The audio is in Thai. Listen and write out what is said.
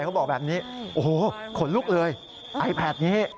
เขาบอกแบบนี้โอ้โหขนลุกเลยไอแพทนี้